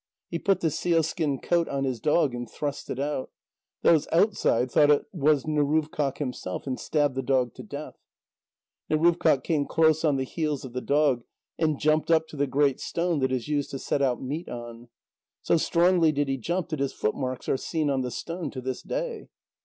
He put the sealskin coat on his dog, and thrust it out. Those outside thought it was Neruvkâq himself, and stabbed the dog to death. Neruvkâq came close on the heels of the dog, and jumped up to the great stone that is used to set out meat on. So strongly did he jump that his footmarks are seen on the stone to this day.